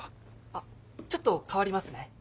あっちょっと代わりますね。